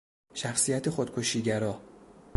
شخصیت خودکشی گرا